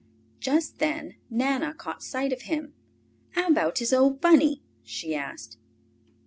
Just then Nana caught sight of him. "How about his old Bunny?" she asked.